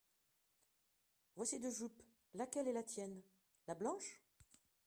Voici deux jupes. Laquelle est la tienne ? La blanche.